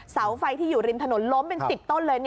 เสาไฟที่อยู่ริมถนนล้มเป็น๑๐ต้นเลย